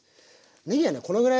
ねぎはねこのぐらい。